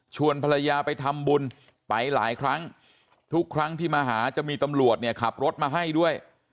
ภรรยาไปทำบุญไปหลายครั้งทุกครั้งที่มาหาจะมีตำรวจเนี่ยขับรถมาให้ด้วย